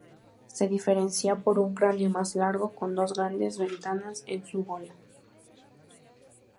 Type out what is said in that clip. Se diferencia por un cráneo más largo con dos grandes ventanas en su gola.